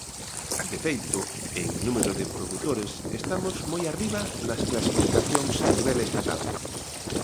De feito, en número de produtores estamos moi arriba nas clasificacións a nivel estatal.